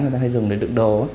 người ta hay dùng để đựng đồ